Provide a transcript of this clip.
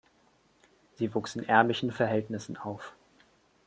Sie wuchs in ärmlichen Verhältnissen auf.